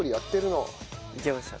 いけました。